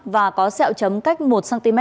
và có xeo chấm cách một cm